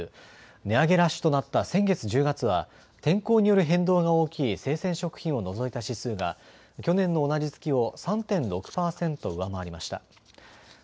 値上げラッシュとなった先月１０月は天候による変動が大きい生鮮食品を除いた指数が去年の同じ月を３．６％上回りました。